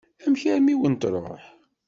Amek armi i wen-tṛuḥ?